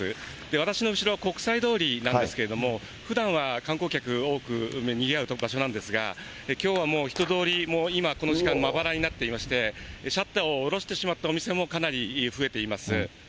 私の後ろは国際通りなんですけれども、ふだんは観光客、多くにぎわう場所なんですが、きょうはもう人通りも、もう今、この時間、まばらになっていまして、シャッターを下ろしてしまったお店もかなり増えています。